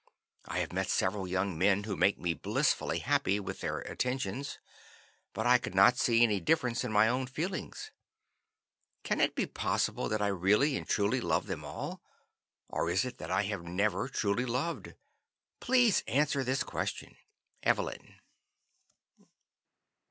I have met several young men who made me blissfully happy with their attentions, but I could not see any difference in my own feelings. Can it be possible that I really and truly love them all, or is it that I have never truly loved? Please answer this question. "Evelyn."